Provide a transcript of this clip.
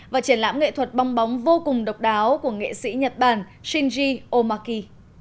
và triển lãm nghệ thuật bong bóng vô cùng độc đáo của nghệ sĩ nhật bản shinzy omaki